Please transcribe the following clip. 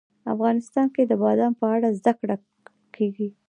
افغانستان کې د بادام په اړه زده کړه کېږي.